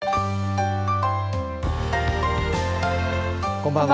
こんばんは。